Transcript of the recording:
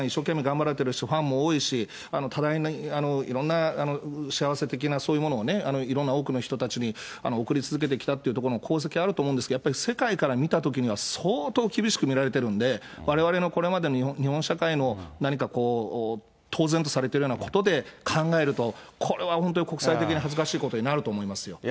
てらっしゃる皆さん、ファンも多いし、多大な、いろんな幸せ的な、そういうものをね、いろんな多くの人たちに送り続けてきたというところの功績あると思うんですけど、やっぱり世界から見たときには、相当厳しく見られてるんで、われわれのこれまでの日本社会の何か当然とされているようなことで考えると、これは本当に国際的に恥ずかしいことになると思いますよ。